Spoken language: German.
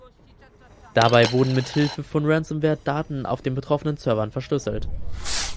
Dabei wurden mit Hilfe von Ransomware Daten auf den betroffenen Servern verschlüsselt.